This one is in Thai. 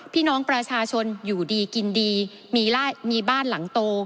พี่น้องประชาชนอยู่ดีกินดีมีบ้านหลังโต